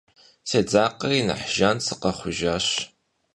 Седзакъэри, нэхъ жан сыкъэхъужащ.